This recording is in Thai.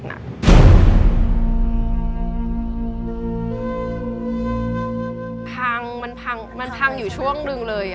พังมันพังมันพังอยู่ช่วงหนึ่งเลย